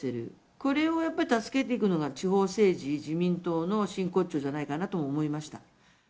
これをやっぱり助けていくのが地方政治、自民党の真骨頂じゃないかなとも思いました。